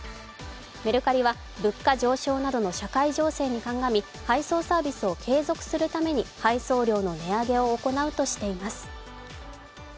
メルカリは、物価上昇などの社会情勢に鑑み配送サービスを継続するために配送料の値上げを行うとしています。